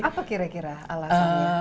apa kira kira alasannya